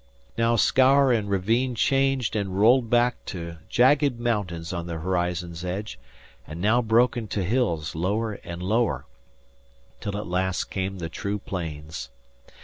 Now scour and ravine changed and rolled back to jagged mountains on the horizon's edge, and now broke into hills lower and lower, till at last came the true plains.